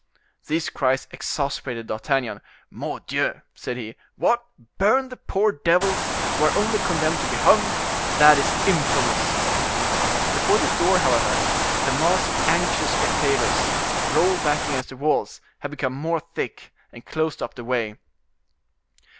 These cries exasperated D'Artagnan. "Mordioux!" said he. "What! burn the poor devils who are only condemned to be hung? that is infamous!" Before the door, however, the mass of anxious spectators, rolled back against the walls, had become more thick, and closed up the way.